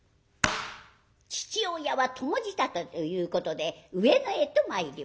父親は供仕立てということで上野へと参ります。